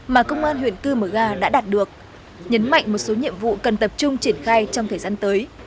mà công an huyện cư mờ ga đã đạt được nhấn mạnh một số nhiệm vụ cần tập trung triển khai trong thời gian tới